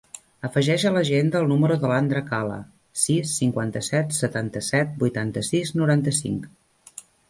Afegeix a l'agenda el número de l'Andra Cala: sis, cinquanta-set, setanta-set, vuitanta-sis, noranta-cinc.